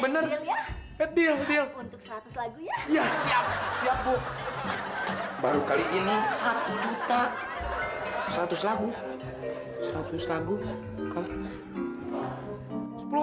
bener ya edil untuk seratus lagu ya siap siap bu baru kali ini satu juta satu selalu satu selalu